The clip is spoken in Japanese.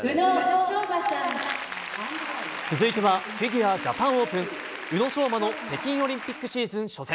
続いてはフィギュアジャパンオープン宇野昌磨の北京オリンピックシーズン初戦。